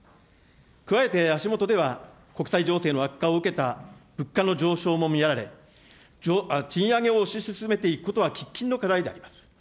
加えて足下では、国際情勢の悪化を受けた物価の上昇も見られ、賃上げを推し進めていくことは喫緊の課題であります。